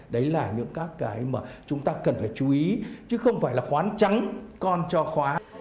đấy là những các cái mà chúng ta cần phải chú ý chứ không phải là khoán trắng con cho khóa